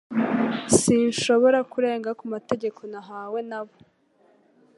Sinshobora kurenga kumategeko nahawe na bo